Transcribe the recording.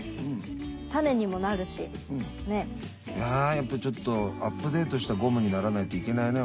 いややっぱちょっとアップデートしたゴムにならないといけないね